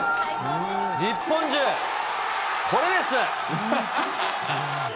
日本中、これです。